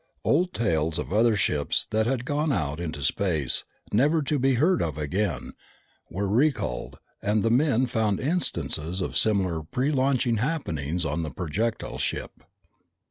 Old tales of other ships that had gone out into space, never to be heard of again, were recalled, and the men found instances of similar prelaunching happenings on the projectile ship.